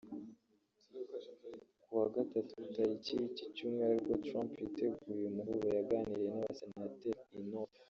Ku wa Gatatu w’iki Cyumweru ubwo Trump yiteguye uyu muhuro yaganiriye na Senateri Inhofe